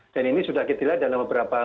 dan ini sudah ketila dalam beberapa bulan